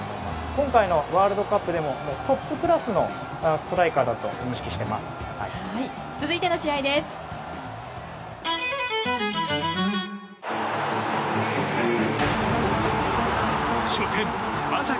今回のワールドカップでもトップクラスのストライカーだと認識しています。